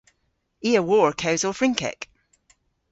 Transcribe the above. I a wor kewsel Frynkek.